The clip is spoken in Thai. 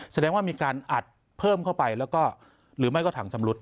แสดงว่ามีการอัดไปและเพิ่มเข้าไปหรือไม่ก็ถังจำรุป